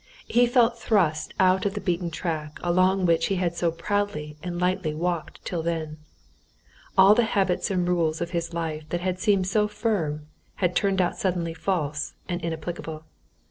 He felt thrust out of the beaten track along which he had so proudly and lightly walked till then. All the habits and rules of his life that had seemed so firm, had turned out suddenly false and inapplicable.